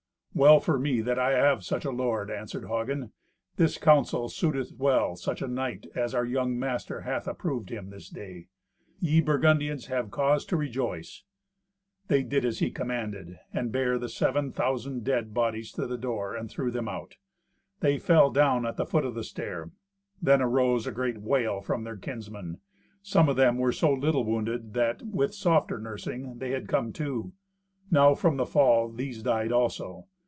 "Well for me that I have such a lord," answered Hagen. "This counsel suiteth well such a knight as our young master hath approved him this day. Ye Burgundians have cause to rejoice." They did as he commanded, and bare the seven thousand dead bodies to the door, and threw them out. They fell down at the foot of the stair. Then arose a great wail from their kinsmen. Some of them were so little wounded that, with softer nursing, they had come to. Now, from the fall, these died also.